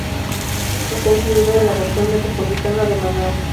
Está incluido en la región metropolitana de Manaos.